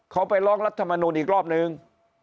เขาไปร้องรัฐมนุนอีกรอบนึง